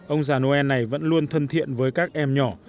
ông già noel này vẫn luôn thân thiện với các em nhỏ